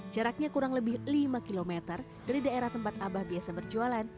jaraknya kurang lebih lima km dari daerah tempat abah biasa berjualan